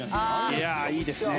いやあいいですね。